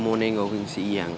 mereka mau nengokin si iya